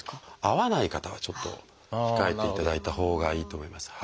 合わない方はちょっと控えていただいたほうがいいと思います。